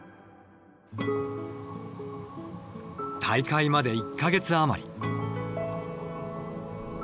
大会まで１か月余り。